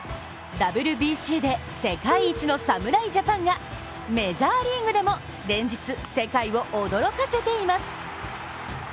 ＷＢＣで世界一の侍ジャパンがメジャーリーグでも連日、世界を驚かせています。